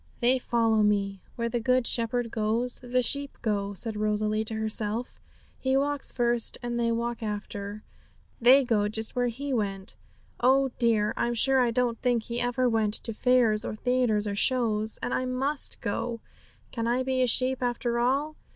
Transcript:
"They follow Me." Where the Good Shepherd goes the sheep go,' said Rosalie to herself. 'He walks first, and they walk after; they go just where He went. Oh dear! I'm sure I don't think He ever went to fairs or theatres or shows. And I must go; can I be a sheep after all?